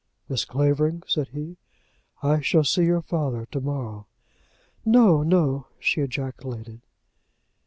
"Miss Clavering," said he, "I shall see your father to morrow." "No, no," she ejaculated.